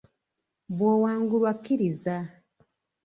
Bw'owangulwa kkiriza.